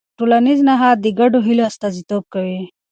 ټولنیز نهاد د ګډو هيلو استازیتوب کوي.